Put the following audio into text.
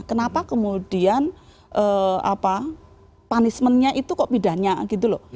kenapa kemudian apa punishmentnya itu kok pidahnya gitu loh